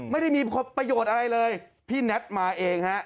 ไม่ได้มีประโยชน์อะไรเลย